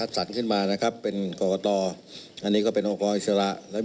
จัดสินคอนยุทธก็คือว่า